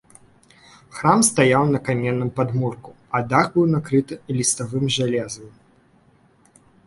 Храм стаяў на каменным падмурку, а дах быў накрыты ліставым жалезам.